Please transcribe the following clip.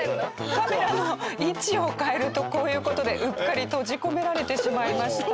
カメラの位置を変えるとこういう事でうっかり閉じ込められてしまいました。